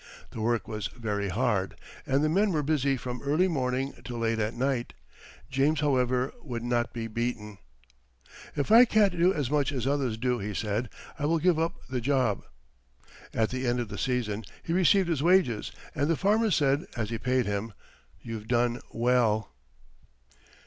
The work was very hard, and the men were busy from early morning till late at night. James, however, would not be beaten. "If I can't do as much as others do," he said, "I will give up the job." At the end of the season he received his wages, and the farmer said, as he paid him, "You've done well."